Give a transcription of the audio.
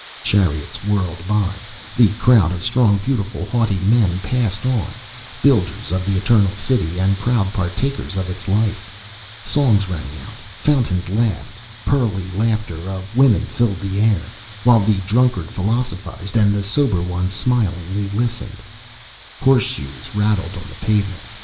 Chariots whirled by; the crowd of strong, beautiful, haughty men passed on, builders of the Eternal City and proud partakers of its life; songs rang out; fountains laughed; pearly laughter of women filled the air, while the drunkard philosophised and the sober ones smilingly listened; horseshoes rattled on the pavement.